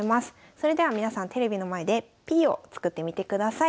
それでは皆さんテレビの前でＰを作ってみてください。